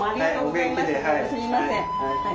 すみません。